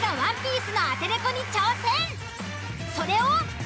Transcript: それを。